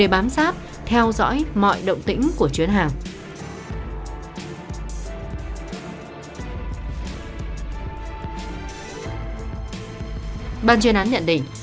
ban chuyên án nhận định